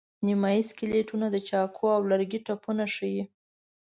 نیمایي سکلیټونه د چاقو او لرګي ټپونه ښيي.